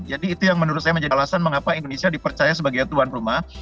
jadi itu yang menurut saya menjadi alasan mengapa indonesia dipercaya sebagai tuan rumah